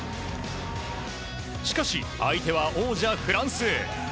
しかし、相手は王者フランス。